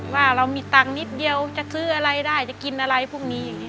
ว่าเรามีตังค์นิดเดียวจะซื้ออะไรได้จะกินอะไรพวกนี้อย่างนี้